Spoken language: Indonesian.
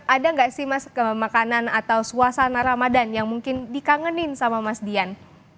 ada nggak sih mas makanan atau suasana ramadan yang mungkin dikangenin sama mas dian